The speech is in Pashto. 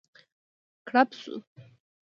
کړپ شو.